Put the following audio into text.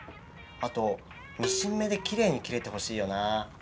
あとミシン目できれいに切れてほしいよな。